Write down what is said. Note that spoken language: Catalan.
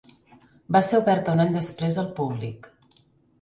Va ser oberta un any després al públic.